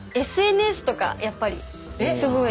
ＳＮＳとかやっぱりすごい。